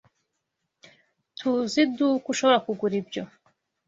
TUZI iduka ushobora kugura ibyo.